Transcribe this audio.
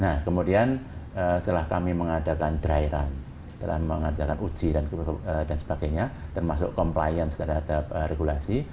nah kemudian setelah kami mengadakan dry run telah mengadakan uji dan sebagainya termasuk compliance terhadap regulasi